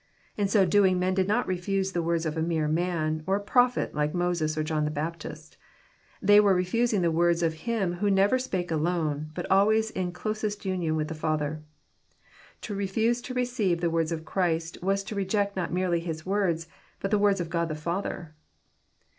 In so doing men did not reftise the words of a mere man, or a prophet, like Moses or John the Baptist. They were refusing the words of Him who never spake alone, but always in closest union with the Father. To reftise to receive the words of Christ was to reject not merely His words, but the words of God the Father.